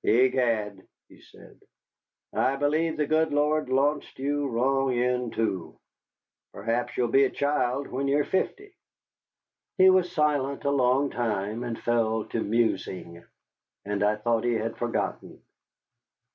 "Egad," he said, "I believe the good Lord launched you wrong end to. Perchance you will be a child when you are fifty." He was silent a long time, and fell to musing. And I thought he had forgotten.